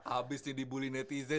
abis ini dibully netizen ya gitu pak ya